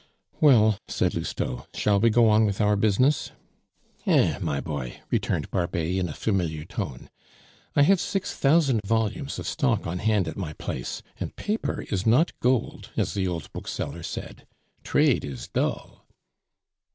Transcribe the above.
"Well," said Lousteau, "shall we go on with our business?" "Eh! my boy," returned Barbet in a familiar tone; "I have six thousand volumes of stock on hand at my place, and paper is not gold, as the old bookseller said. Trade is dull."